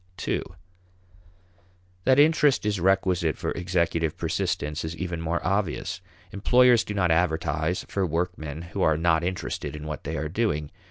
(ii) That interest is requisite for executive persistence is even more obvious. Employers do not advertise for workmen who are not interested in what they are doing.